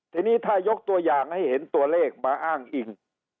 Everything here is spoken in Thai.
ทีนี้ถ้ายกตัวอย่างให้เห็นตัวเลขมาอ้างอิง